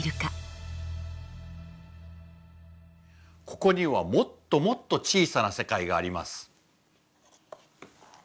ここにはもっともっと小さな世界があります。